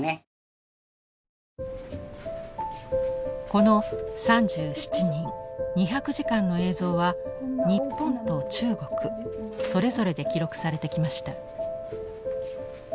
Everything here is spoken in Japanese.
この３７人２００時間の映像は日本と中国それぞれで記録されてきました。